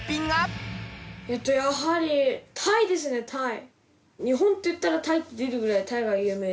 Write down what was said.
えっとやはりタイですねタイ！